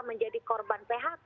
menjadi korban phk